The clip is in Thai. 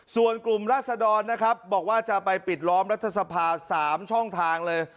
ส่วนกลุ่มราศดรนะครับบอกว่าจะไปปิดล้อมรัฐสภา๓ช่องทางเลย